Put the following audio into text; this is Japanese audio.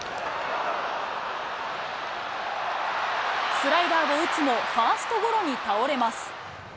スライダーを打つも、ファーストゴロに倒れます。